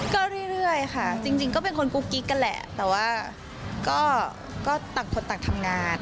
ก็เรื่อยค่ะจริงก็เป็นคนกุ๊กกิ๊กกันแหละแต่ว่าก็ต่างคนต่างทำงาน